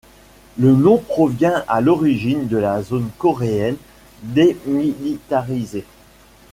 Le nom provient à l'origine de la zone coréenne démilitarisée.